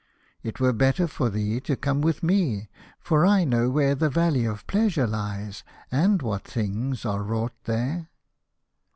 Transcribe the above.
It were better for thee to come with me, for I know where the Valley of Plea sure lies, and what things are wrought there."